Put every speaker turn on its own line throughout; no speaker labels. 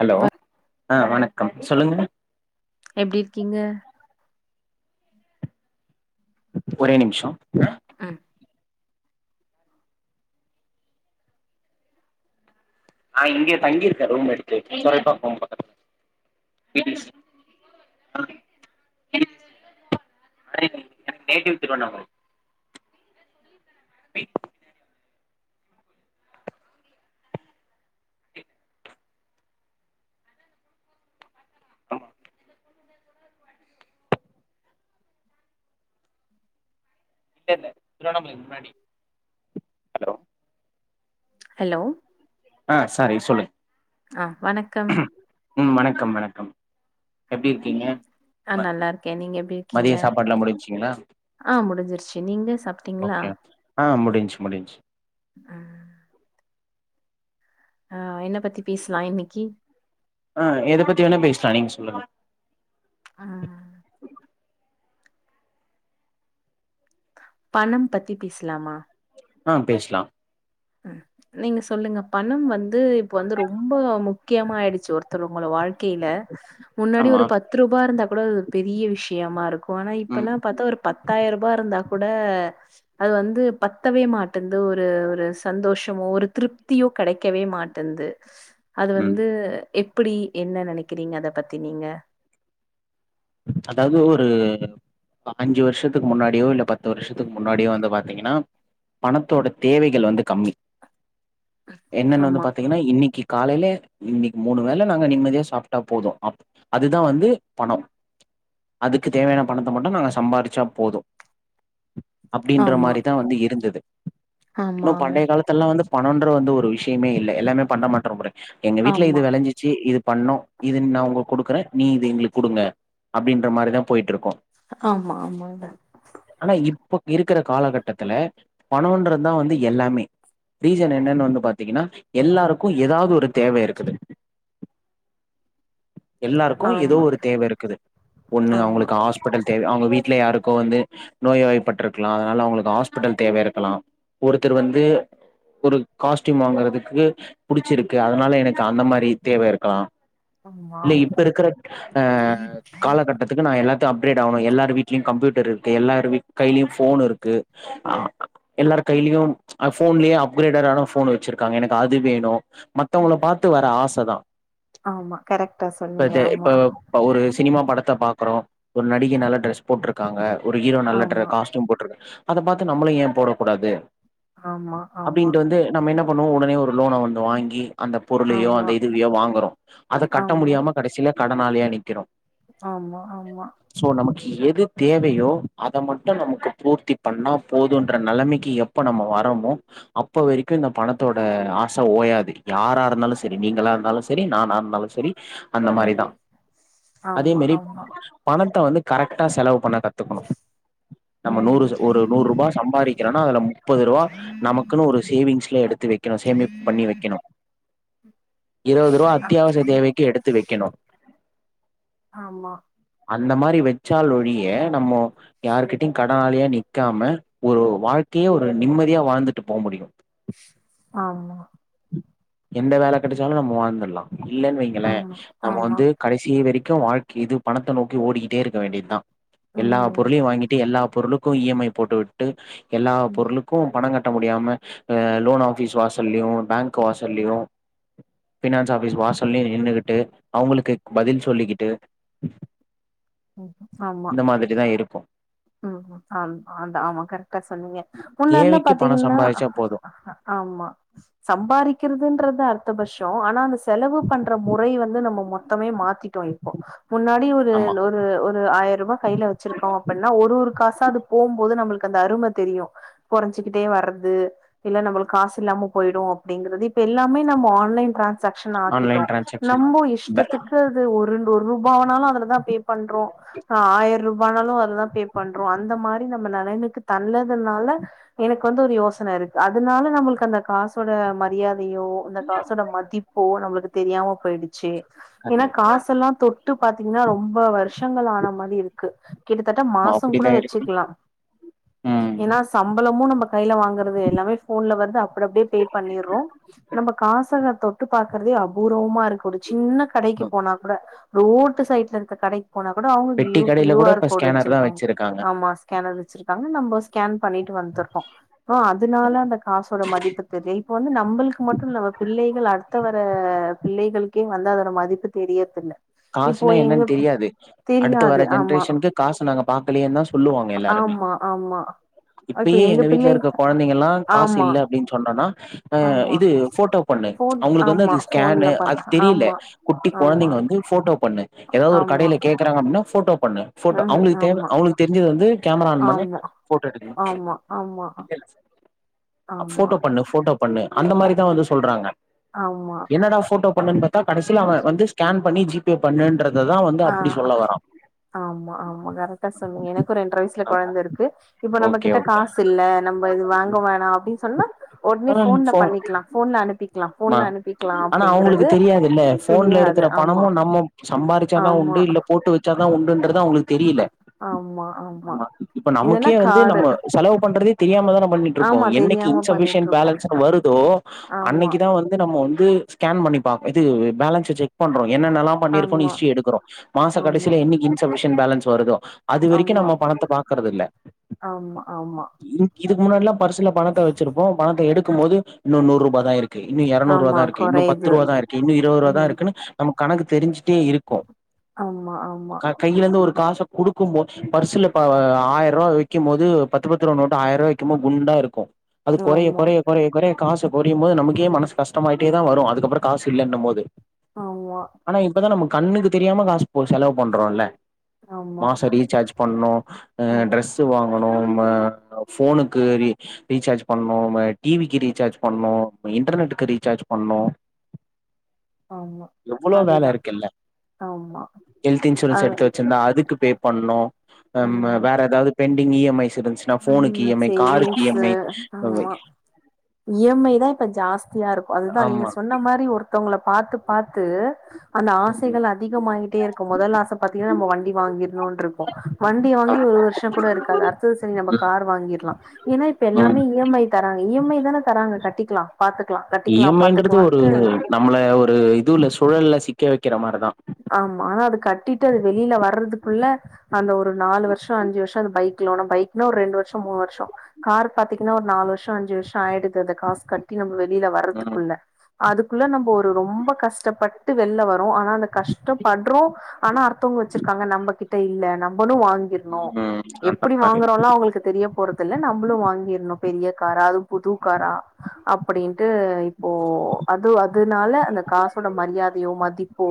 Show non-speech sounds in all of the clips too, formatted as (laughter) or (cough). Hello
வ
ஆஹ வணக்கம் சொல்லுங்க
எப்டி இருக்கீங்க
ஒரே நிமிஷம்
ஆஹ்
ஆஹ் இங்க தங்கி இருக்கேன் ரூம் எடுத்து துறைப்பாக்ஙம் பக்கத்துல நேட்டிவ் திருவண்ணாமலை (inaudible) ஆமா இல்ல இல்ல திருவண்ணாமல ஹலோ
ஹலோ
சரி சொல்லு
ஆஹ் வணக்கம்
உம் வணக்கம் வணக்கம் எப்டி இருக்கீங்க
ஆஹ்
ம
நல்லா இருக்கேன் நீங்க எப்டி இருக்கீங்க
மதிய சாப்பாடுலா முடிஞ்சுங்களா
ஆஹ் முடிஞ்சிருச்சு நீங்க சாப்பிட்டீங்களா
ஓகே ஆ முடிஞ்சு முடிஞ்சு
உம் அஹ் என்ன பத்தி பேசலாம் இன்னக்கி
ஆஹ் எத பத்தி வேனா பேசலாம் நீங்க சொல்லுங்க
ஆஹ் பணம் பத்தி பேசலாமா
ஆஹ் பேசலாம்
உம் நீங்க சொல்லுங்க பணம் வந்து இப்ப வந்து ரொம்ப முக்கியமா ஆயிடுச்சு ஒருத்தர் உங்கள வாழ்க் கீழ முன்னாடி
ஆமா
ஒரு பத்து ரூபாய இருந்தா கூட பெரிய விஷயமா இருக்கு ஆனா இப்ப
ம்
எல்லாம் பாத்தா ஒரு பத்தாயிரம் ரூபாய இருந்தா கூட அது வந்து பத்தவே மாட்டேந்து ஒரு ஒரு சந்தோஷமோ ஒரு திருப்தியோ கெடைக்கவே மாட்டேங்கிது அது
ம்
வந்து எப் இப்டி என்ன நெனக்கிறீங்க அத பத்தி நீங்க
அதாவது ஒரு அஞ்சு வருஷத்துக்கு முன்னாடியோ இல்ல பத்து வருஷத்துக்கு முன்னாடியோ வந்து பாத்தீங்கன்னா பணத்தோட தேவைகள் வந்து கம்மி என்னன்னு வந்து
ஆமா,
பாத்தீங்கன்னா இன்னக்கி காலையிலே இன்னைக்கு மூணு வேலை நாங்க நிம்மதியா சாப்பிட்டா போதும் அதுதான் வந்து பணம் அதுக்கு தேவையான பணத்த மட்டும் நாங்க சம்பாதிரிச்சா போதும் அப்படின்ற
ஆமா.
மாரிதான் வந்து இருந்தது இன்னும்
ஆமாங்க.
பண்டைய காலத்து எல்லாம் வந்து பணன்ற வந்து ஒரு விஷயமே இல்லை எல்லாமே பண்ட மாற்று முறை எங்க வீட்டுல
ஆமா.
இது விளைஞ்சிச்சு இது பண்ணும் இது நான் உங்க கொடுக்குறேன் நீ இது எங்களுக்கு கொடுங்க அப்படின்ற மாரிதான் போயிட்டு இருக்கும்
ஆமா ஆமாங்க
ஆனா இப்ப இருக்கிற காலகட்டத்துல பணன்றறதுதான் வந்து எல்லாமே ரீசன் என்னன்னு வந்து பாத்தீங்கன்னா எல்லாருக்கும் ஏதாவது ஒரு தேவை இருக்குது எல்லாருக்கும் ஏதோ
ஆமா,
ஒரு தேவ இருக்குது
ஆமா.
அவங்களுக்கு ஹாஸ்பிட்டல் தேவ அவங்க வீட்டில் யாருக்கோ வந்து நோய் வாய்ப்பிருக்கலாம் அதனால அவங்களுக்கு ஹாஸ்பிட்டல் தேவைய இருக்கலாம் ஒருத்தர் வந்து ஒரு காஸ்டயூம் வாங்கறிறதுக்கு புடிச்சிருக்கு அதனால எனக் அந்த மாரி தேவ இருக்கலாம்
ஆமா.
இல்ல இப்ப இருக்கிற ஆஹ் காலகட்டத்துக்கு நான் எல்லா அபிரேட் ஆகணும் எல்லாரு வீட்லயும் கம்யூட்டர் இருக்கு எல்லாரு கையிலயும் போன் இருக்குஹ் எல்லாரரு கையிலயும் போன்யே அபிரேடான போ வச்சிருக்காங்க எனக்கு அது வேணும் மத்தவங்கள பார்த்து வர ஆச தான்
ஆமா கரெக்டா சொன்னீங்க ஆமா
இப்ப ஒரு சினிமா படத்த பாக்குறோம் ஒரு நடிக நல்ல ட்ரெஸ் போட்டிருக்காங்க ஒரு ஹீரோ நல்லா டிர
ஆமா,
காஸ்ட்டூம் போட்டிருக் அத பாத்து நம்மளும் ஏன் போடக் கூடாது
ஆமா, ஆமா,
அப்டின்ட்டு வந்து நம்ம என்ன பண்ணுவோம் உடனே ஒரு லோன வந்து வாங்கி அந்த பொருளயோ
ஆமா,
அந்த இதுவையோ வாங்குறோம் அத கட்ட
ஆமா,
முடியாம கடசில கடனாலியா நிக்குறோம்
ஆமா ஆமா
எது தேவயோ அத மட்டும் நமக்கு பூர்த்தி பண்ணா போதும்ன்ற நெலமைக்கு எப்போ நம்ம வரமோ அப்போ வரைக்கும் இந்த பணத்தோட ஆச ஓயாது யாரா இருந்தாலும் சரி நீங்களா இருந்தாலும் சரி நானா இருந்தாலும் சரி அந்த
ம்.
மாரிதான்
ஆமா ஆமா
பணத்த வந்து கரெக்டா செலவு பண்ண கத்துக்கணும் நம்ம
ம்
நூறு ஒரு நூறு ரூபா சம்பாதிக்கிறோம்னா அதுல முப்பது ரூபா் நமக்குன்னு ஒரு சேவிங்ஸ்ல எடுத்து வக்கணும் சேமிப்பு பண்ணி வக்கணும் இருபது ரூபா
ஆ-
அத்தியாவசிய தேவைக்கு எடுத்து வக்கணோம்
ஆமா
அந்த மாரி வச்சால் ஒழிய நம்ம யாருகிட்டயும் கடனாலியா நிக்காம ஒரு வாழ்க்கையே ஒரு நிம்மதியா வாழ்ந்துட்டு போ முடியும்
ஆமா
எந்த வேல கெடச்சாலும் நம்ம வாழ்ந்துறலாம் இல்லன்னு வைங்களேன்
ஆமா
நம்ம
ஆமா
வந்து கடைசி வரைக் இதா வாழ்க்க இது பணத்த நோக்கி ஓடிக்கிட்டே இருக்க வேண்டியது தான் எல்லா
ம்
பொருளையும் வாங்கிட்டு எல்லா பொருளுக்கும் இஎம்ஐ போட்டுவிட்டு எல்லா
ம்
பொருளுக்கும் பணங்க கட்ட முடியாம லோன் ஆபிஸ் வாசல்லயும் பேங்க் வாசல்லயும் பினான்ஸ் ஆபிஸ் வாசல்லயும் நின்னுகிட்டு அவங்களுக்கு பதில் சொல்லிக்கிட்டு இந்த மாதிரிதான் இருக்கும்
உம் ஆமா அதான் ஆமா கரெக்டா சொன்னீங்க முன்னாடிலா
தேவைக்கு பணோ
பாத்தீங்கன்னா
சம்பாதிச்சா போது
ஆமா சம்பாரிக்கிறதுன்றது அர்த்தபட்ஷம் ஆனா அந்த செலவு பண்ற முறை வந்து நம்ம மொத்தமே மாத்திட்டோம் இப்போ முன்னாடி ஒரு
ஆமா
ஒரு ஒரு ஆயிரூபா கைல வச்சிருக்கோம் அப்டின்னு ஒரு ஒரு காசா அது போம்போது நம்மளுக்கு அந்த அரும தெரியும் கொறஞ்சுக்கிட்டே வர்றது இல்ல நம்மளுக்கு காசு இல்லாம போயிடும் அப்டிங்கறது இப்ப எல்லாமே நம்ம ஆன்லைன் டிரான் சக்சன
ஆன்லைன்
ஆக்கிட்டோம்
டிரான்சாக்ஷன்
நம்மோ
பே
இஷ்டத்துக்கு அது ஒரு ஒரூபா ஆனாலு அதுலதா பே பண்றோ ஆ ஆயர்ரூ பண்ணாலு அதுதா எனக்கு தள்ளதுனால எனக்கு வந்து ஒரு யோசன இருக்கு அதனால நம்மளுக்கு அந்த காசோட மரியாதையோ அந்த காசோட மதிப்போ நம்மளுக்கு தெரியாம போயிடுச்சு ஏன்னா காசெல்லா தொட்டு பாத்தீங்கன்னா ரொம்ப வருஷங்கள் ஆன மாரி இருக்கு கிட்டத்தட் ட
ஆமா
மாசோம் கூட
அப்டிதா இருக்கு
வச்சுக்கலா
ம்
ஏன்னா சம்பளமு நம்ம கைல வாங்கறது எல்லாமே ஃபோன்ல வந்து அப்டிப்படியே பே பண்ணிறோ நம்ம காச தொட்டுப் பாக்கறதே அபூர்வமா இரு க்கு ஒரு சின்ன கடைக்கு போனா கூட ரோட் டு சைடுல இருக்க கடைக் கு போனா கூட அவங்க
பெட்டி
கியூ
கடையில
கியூ
கூட
ஆர்
இப்ப
கோடு
ஸ்கேனர் தா
வச்சிருக்காங்க ஆமா ஸ்கேனர் வச் வச்சிருக்காங்க நம்ம ஸ்கேன் பண்ணிட்டு வந்துர்றோ அ அதனால அந்த காசோட மதிப்பு தெரியல இப்ப வந்து நம்பளுக்கு மட்டு இல்ல நம்ம பிள்ளைகள் அடுத்த வர பிள்ளைகளுக்கே வந்து அதோட மதிப்பு தெரியறது இல்ல
காசுன்னா என்னன்னு தெரியாது அடுத்து
தெரியாது
வர
ஆமா
ஜென்ரேஷனுக்கு கா காச நாங்க பாக்கலயேன்னுதா சொல்லுவாங்க எல்லாருமே
ஆமா ஆமா இப்ப
இப்பயே எங்க வீட்ல
பிள்ளை
இருக்க கொழந்தைங்கல்லா காசு
ஆமா
இல்ல அப்டின்னு சொன்னோனா ஆ
ஆமா
இது ஃபோட்டோ பண்ணு
ஃபோன்
அவங்களுக்கு வந்து
ஆமா
அது ஸ்கேனு
ஃபோன்ல
அது
பண்ண
தெரியல
ஆமா
குட்டி
ஆமா
கொழந்தைங்க வந்து பண்ணு ஏதாவது ஒரு
ஆமா
கடையில கேக்கறாங்க அப்டின்னா ஃபோட்டோ பண்ணு ஃபோட்டோ
ம்
அவங்களுக்கு தேவ
ஆமா
அவங்களுக்குத் தெரிஞ்சது வந்து கேமரா ஆன் பண்ணி
ஆமா
ஃபோட்டோ எடுக்கணு
ஆமா ஆமா ஆமா
ஃபோட்டோ பண்ணு ஃபோட்டோ பண்ணு அந்த மாரிதா வந்து சொல்றாங்க
ஆமா
என்னடா ஃபோட்டோ பண்ணுன்னு த்தா கடைசில அவ வந்து ஸ்கேன் பண்ணி ஜி
ஆஹ் ஆமா ஆமா கரெக்டா சொன்னீங்க எனக்கு ரெண்ர வயசுல கொழந்த இருக்கு இப்ப நம்ம
ஓகே
கிட்ட
ஓகே
காசு இல்ல நம்ம இது வாங்க வேணா அப்டின்னு சொன்னா உடனே ஃபோன்ல
ஆ
பண்ணிக்கலா ஃபோன்ல அனுப்பிக்கலா ஃபோன்ல அனுப்பிக்கலா
ஆனா அவங்களுக்கு
அப்டிங்கறது
போன்ல
தெரியாது
இருக்கிற
ஆமா
பணமு ந ம்ம சம்பாரிச்சாதா
ஆமா
உண்டு இல்ல போட்டு வச்சாதா உண்டுன்றது அவங்களுக்கு தெரியல ஆமா இப்ப
இல்லன்னா
நமக்கே வந்து
கார்டு
நம்ம செலவு பண்றதே தெரியாமதான பண்ணிட்டு இருக்கோ
ஆமா
என்னைக்கு
தெரியாம
இன்சஃபிஷியண்ட்
பண்ணிட்ருக்கோ
பேலன்ஸ்னு வருதோ
ஆமா
அன்னைக்கி தா நம்ம வந்து ஸ்கேன் பண்ணி பா இது பேலன்ஸ செக் பண்றோ ஏன் பண்ணிருக்கோன்னு
ஆமா
ஹிஸ்ட்ரி எடுக்குறோ மாச
ஆமா
கடைசில என்னைக்கி இன்சஃபிஷி யண்ட்னு பேலன்ஸ் வருதோ அதுவரைக்கு
ஆமா
நம்ம பணத்தை பாக்கறது இல்ல
ஆமா ஆமா
இந் இது முன்னாடிலா பர்சல பணத்தை வச்சிருப்போம் பணத்தை எடுத் இருக்கும் போது இன்னும் நூறுபா தான் இருக்கு இன்னும் இருரநூறுபா
ஆமா
தான் இருக்கு இன்னும் பத்து
கொறையுது
ரூபா தான் இருக்கு இன்னும் இருபது ரூப தான்
ம்
இருக்குன்ன நமக்கு கணக்கு தெரிஞ்சு தெரிஞ்டே இருக்கும்
ஆமா ஆமா
கையிலிருந்து ஒரு காச கொடுக்கும் போது பர்சுல ஆஹ் ஆயிரம் ரூபா வைக்கும் போது பத்து பத்து ரூபா நோட்டு ஆயிரம் ரூபா வைக்கும்போது குண்டா இருக்கும் அது குறைய
ஆமா
குறைய குறைய குறைய காசு குறையும்போது நமக்கே மனசு கஷ்டாமா தான் வரும் அதுக்கப்பறம் காசு இல்லைன்னும் போது
ஆமா
ஆனா இப்பதான் நமக் கண்ணுக்கு தெரியாம காசு போ செலவு பண்றோம்ல
ஆமா
மாசம் ரீசார்ஜ் பண்ணனும் ஆஹ்
ம்
ட்ரெஸ் வாங்கணும் மா போனுக்கு ரீசார்ஜ் பண்ணணும் டிவிக்கு ரீசார்ஜ் பண்ணணும் இன்டர்நெட் ரீசார்ஜ் பண்ணனும்
ஆமா
எவ்வளோ வேலை
அதுதான்
இருக்குல்ல
ஆமா
ஹெல்த் இன்சூரன்ஸ்
அது
எடுத்து வச்சிருந்தா அதுக்கு பே பண்ணும் உம் வேற ஏதாவது பென் இ எம் ஐஸ் இருந்துச்சுன்னா ஃபோனுக்கு இ
ஆஹ்
எம் ஐ காருக்கு இ எம்
சேவிங்ஸ்சு
ஐ
ஆமா இ எம் ஐ தான் இப்ப ஜாஸ்தியா இருக்கு அதுதான் நீங்க
ஆமா
சொன்ன மாரி ஒரு த்தவங்கள பாத்து பாத்து அந்த
ம்
ஆசைகள் அதிகமாயிட்டே இருக்கும் முதல் ஆச பாத்தீங்கன்னா நம்ப வண்டி வாங்கிடணும்னு இருக்கும் வண்டி வாங்கி ஒரு வருஷம் கூட இருக்காது அ து நம்ப
ம்
கார் வாங்கிர்லாம் ஏன்னா இப்ப
ம்
எல்லாமே இ எம் ஐ தராங்க இ எம் ஐ தானே தராங்க கட்டி க்லாம்
இ எம் ஐ இன்றது ஒரு நம்மள ஒரு இதுவுல்ல சூழல்ல சிக்க வைக் கிற மாரி தான்
ஆமா ஆனா அது கட்டிட்டு அது வெளியில வர்றதுக்குள்ள அந்த ஒரு நாலு வருஷம் அஞ்சு வருஷம் அந்த பைக்லோனு பைக்னா ஒரு ரெண்டு வருஷம் மூணு வருஷம் கார் பாத்தீங்கன்னா ஒரு நாலு வருஷம் அஞ்சு வருஷம் ஆயிடுது அத காசு கட்டி நம்ம வெ வெளியில
ம்
வர்றதுக்குள்ள அதுக்குள்ள நம்ப ஒரு ரொம்ப கஷ்டப்பட்டு வெளில வரோம் ஆனா அந்த கஷ்டப்படுறோம் ஆனா அர்த்தவங்க வச்சிருக்காங்க நம்ப கிட்ட இல்ல நம் ன்னு வாங்கிர்னும்
ம் அந்த
எப்படி
மாரி
வாங்கறோம்லாம் அவங்களுக்கு தெரிய போறது லா நம்மளும் வாங்கிடணும் பெரிய காரா அது புது காரா அப்படின்ட்டு இப்போ அது அதனால அந்த காசோட மரியாதையோ மதிப்போ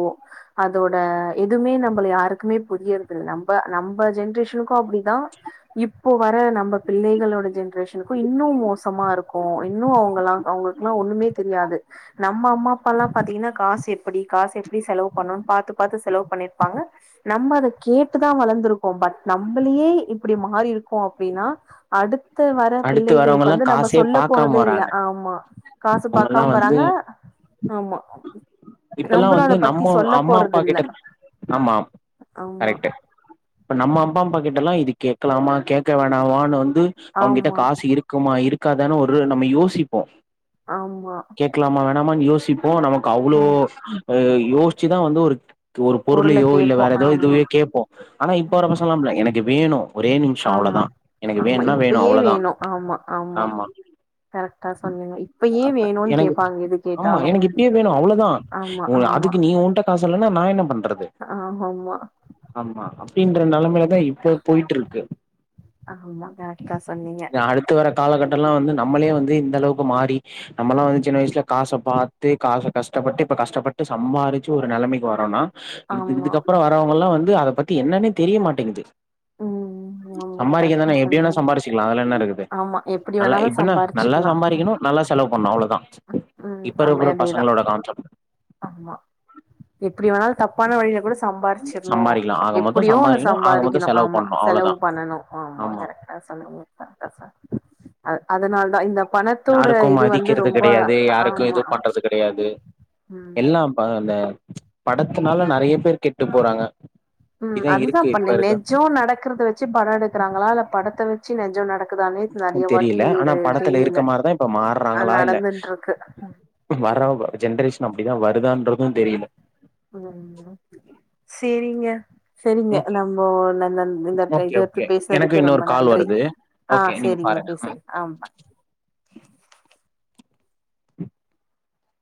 அதோட எதுவுமே நம்ப யாருக்குமே புரியறதுல்ல நம்ப நம்ப ஜென்ரேஷனுக்கும் அப்படிதான் இப்போ வர நம்ப பிள்ளைகளோட ஜென்ரேஷனுக்கும் இன்னும் மோசமா இருக்கும் இன்னும் அவங்களாம் அவங்களுக்கெல்லாம் ஒண்ணுமே தெரியாது நம்ப அம்மா அப்பா எல்லாம் பார்த்தீங்கன்னா காசு எப்படி காசு எப்படி செலவு பண்ணணு பாத்து பாத்து செலவு பண்ணிருப்பாங்க நம்ப அத கேட்டுதான் வளர்ந்திருக்கோம் பட் நம்மளயே இப்படி மாறி இருக்கோம் அப்படின்னா அடுத் த்து வர
அடுத்து
பிள்ளைகளுக்கு
வரவங்கல்லா
வந்து நம்ப
காசே
சொல்ல
பாக்காம
போறது இல்ல
வராங்க
ஆமா காசு
அவங்கல்லா
பாக்காம வராங்க ஆமா ஆ
இப்பெல்லாம் வந்து நம் ம அம்மா அப்பா
இல்ல
கிட்ட ஆமா
ஆமா
கரெக்ட்டு இப்ப நம்ம அம்மா அம்மா கிட்ட எல்லா இது கேட்கலாம கேக்க வேணாமானு வந்து அவங்கிட்ட
ஆமா,
காசு இருக்குமா இருக்கு இருக்காதானு ஒரு நம்ம யோசிப்போம்
ஆமா
நம யோசிப்பு ப்போ நமக்கு அவ்ளோ
ம்.
ஆஹ் யோசிச்சுதான் வந்து ஒரு ஒரு பொருளையோ
பொருள
இல்லையோ இல்ல வேற
கேட்போம்.
ஏதோ
ஆமா,
இதுவையோ கேட்போம் ஆனா இப்ப
ஆமா,
வரப்பசங்கள அப்டில்ல எனக்கு வேணும்
ஆமா ஆமா இப்பயே
அவ்ளோதா
வேணும் ஆமா ஆமா கரெக்டா சொன்னிங்க இப்பயே வேணுன்னு
எனக்கு
கேட்பாங்க எது கேட்டாலும் ஆமா,
உ
ஆமா,
அதுக்கு நீ உண்ட காசு இல்லன்னா நான் என்ன பண்றது
ஆமா,
ஆமா அப்டின்ற நிலைமையிலதான் இப்ப போயிட்டு இருக்கு
ஆமா. கரெக்ட்டா சொன்னீங்க.
இருக்கு அடுத்து வர காலகட்டம் எல்லாம் வந்து நம்மளே வந்து இந்த அளவுக்கு மாறி நம்மல்லாம் வந்து சின்ன வயசுல காசை பாத்து காசை கஷ்டப்பட்டு இப்ப கஷ்டப்பட்டு சம்பாரிச்சு ஒரு நிலைமைக்கு வரோம்னா இது
ஆமா.
இதுக்கப்புறம் வரவங்க எல்லா வந்து அதை பத்தி என்னன்னே தெரிய மாட்டேங்குது
ம். ஆமா.
சம்பாரிக்க
கரெக்ட்டா
தானே எப்டியனா
சொன்னீங்க.
சம்பாரிச்சிக்கலாம் அதுல என்ன இருக்குது
ஆமா. எப்படி
நல்லா
வேணாலும்
இப்ப என்ன நல்லா
சம்பாரிச்சுக்கலாம். ம்.
சம்பாரிக்கணும் நல்லா செலவு பண்ணணும் அவ்ளோ தான்
ம்.
இப்ப
ஆமா.
இருக்க
அதேதான்.
பசங்களோட கான்செப்ட்
ஆமா எப்டி வேணாலும் தப்பான வழியில கூட சம்பாரிச்சிடணும்
சம்பாரிக்கலா ஆக மொத்தோ
எப்டியோ ஒன்ன
சம்பாரிக்கணு ஆக மொத்தோ
சம்பாரிக்கணும்
செலவு
ஆமா
பண்ணு
செலவு
அவ்ளோதா
பண்ணணும் ஆமா கரெக்டா சொன்ணிங்க அ அதனால தான் இந்த பணத்தோட
யாருக்கும்
இது வந்து
மதிக்கிறது
ரொம்ப
கிடையாது யாருக்கும்
ஆமா
எது பண்றது கிடையாது
ம்
எல்லாம்ப்பா அந்த படத்துனால நெறைய பேர் கெட்டு போறாங்க
உம்
இப்டிதா
அதுதான்
இருக்கு இப்ப
பண்ணி
இருக்க
நிஜம் நடக்கிறத வச்சு படம் எடுக்கறாங்களா இல்ல பட வச்சு நெஞ்சம் நடக்
தெரியல ஆனா படத்துல இருக்க மாதிரிதான் இப்ப
ஆ
மாறுறாங்களா இல்ல
நடந்துட்ருக்கு
வர்ற ஜென்ரேஷன் அப்டிதான் வருதான்து
உம் சேரிங்க சரிங்க
ஓகே
நம்ம இந் இந்
ஓகே
இது எடுத்து
ஓகே எனக்கு
பேசுறதுக்கு ரொம்ப
இன்னொரு கால்
நன்றி
வருது ஓகே
ஆஹ்
நீங்க
சரிங்க
பாருங்க ம்
பேசுறேன் ஆமா